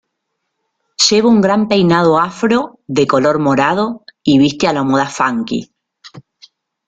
Lleva un gran peinado afro de color morado y viste a la moda funky.